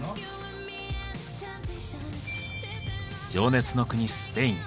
情熱の国スペイン。